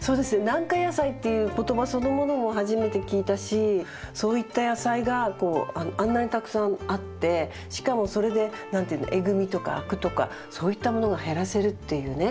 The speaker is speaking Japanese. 軟化野菜っていう言葉そのものも初めて聞いたしそういった野菜がこうあんなにたくさんあってしかもそれで何て言うのエグみとかアクとかそういったものが減らせるっていうね